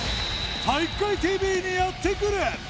体育会ＴＶにやってくる！